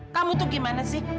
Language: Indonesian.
kamu tuh gimana sih